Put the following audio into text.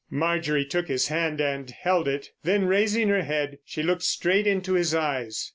Marjorie took his hand and held it. Then, raising her head, she looked straight into his eyes.